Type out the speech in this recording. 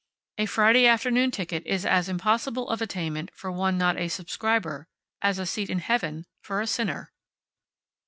A Friday afternoon ticket is as impossible of attainment for one not a subscriber as a seat in heaven for a sinner.